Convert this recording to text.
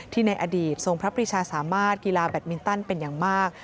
ในอดีตทรงพระปริชาสามารถกีฬาแบตมินตันเป็นอย่างมาก